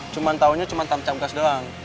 cuman taunya cuma tancap gas doang